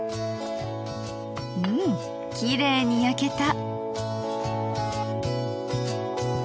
うんきれいに焼けた。